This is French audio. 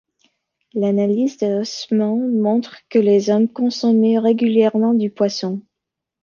L'analyse des ossements montre que les hommes consommaient régulièrement du poisson.